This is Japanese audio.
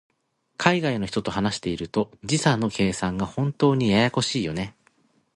海外の人と話していると、時差の計算が本当にややこしいよね。